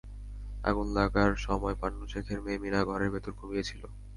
আগুন লাগার সময় পান্নু শেখের মেয়ে মিনা ঘরের ভেতর ঘুমিয়ে ছিল।